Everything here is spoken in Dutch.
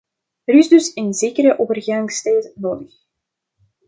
Er is dus een zekere overgangstijd nodig.